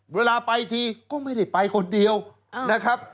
เวลาไปทีก็ไม่ได้ไปคนเดียวนะครับ